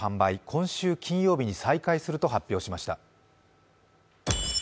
今週金曜日に再開すると発表しました。